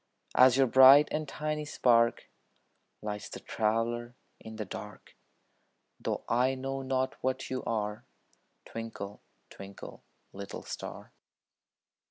As your bright and tiny spark Lights the traveler in the dark, Though I know not what you are, Twinkle, twinkle, little star.